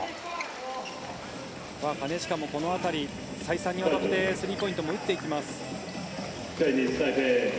金近もこの辺り再三にわたってスリーポイントを打っていきます。